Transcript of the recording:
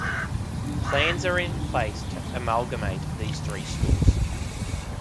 Plans are in place to amalgamate these three schools.